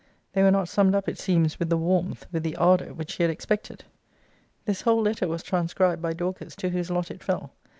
They were not summed up, it seems, with the warmth, with the ardour, which she had expected. This whole letter was transcribed by Dorcas, to whose lot it fell.